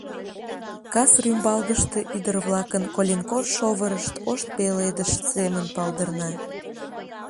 Кас рӱмбалгыште ӱдыр-влакын коленкор шовырышт ош пеледыш семын палдырна.